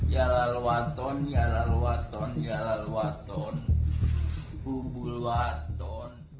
yara luaton yara luaton yara luaton bubu luaton